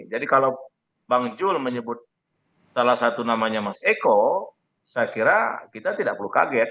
jadi kalau bang zul menyebut salah satu namanya mas eko saya kira kita tidak perlu kaget